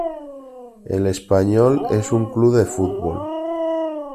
El Espanyol es un club de fútbol.